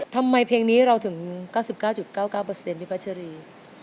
ทำไมเพลงนี้เราถึง๙๙๙๙๙พี่พัชรี